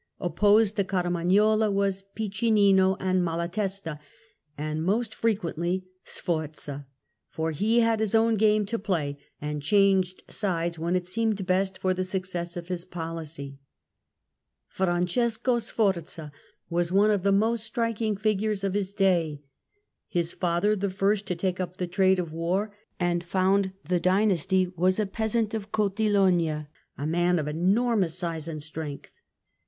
Opposed to Cariuagnola were Piccinino and Malatesta, and most frequently Sforza, but he had his own game to play and changed sides when it seemed best for the success of his policy. The Sforza Francesco Sforza was one of the most striking figures of his day. His father, the first to take up the trade of war and found the dynasty, was a peasant of Cotilogna, a man of enormous size and strength.